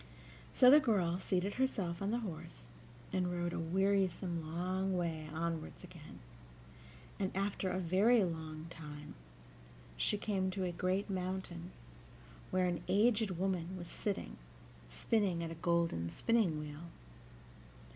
So the girl seated herself on the horse, and rode a wearisome long way onward again, and after a very long time she came to a great mountain, where an aged woman was sitting, spinning at a golden spinning wheel.